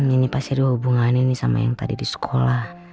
ini pasti ada hubungannya ini sama yang tadi di sekolah